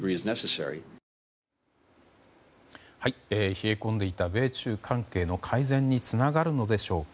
冷え込んでいた米中関係の改善につながるのでしょうか。